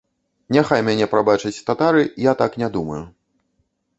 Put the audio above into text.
Няхай мяне прабачаць татары, я так не думаю.